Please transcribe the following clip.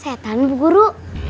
setan bu guru